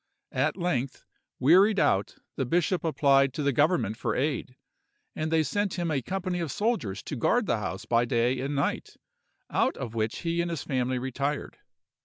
At length, wearied out, the bishop applied to the government for aid; and they sent him a company of soldiers to guard the house by day and night, out of which he and his family retired.